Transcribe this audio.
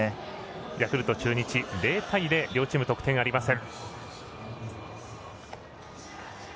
ヤクルト、中日０対０、両チーム得点ありません。